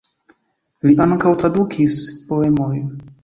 Li ankaŭ tradukis poemojn.